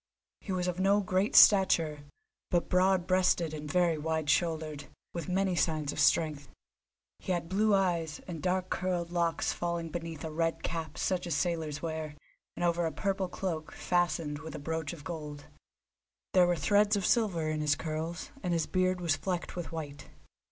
He was of no great stature, but broad breasted and very wide shouldered, with many signs of strength. He had blue eyes, and dark curled locks falling beneath a red cap such as sailors wear, and over a purple cloak, fastened with a brooch of gold. There were threads of silver in his curls, and his beard was flecked with white.